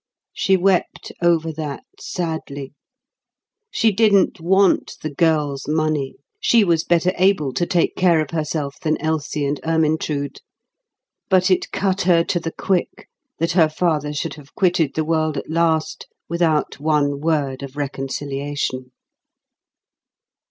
She wept over that sadly. She didn't want the girls' money, she was better able to take care of herself than Elsie and Ermyntrude; but it cut her to the quick that her father should have quitted the world at last without one word of reconciliation.